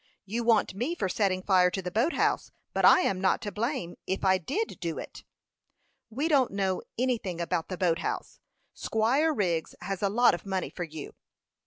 "You want me for setting fire to the boat house; but I am not to blame, if I did do it." "We don't know anything about the boat house; Squire Wriggs has a lot of money for you."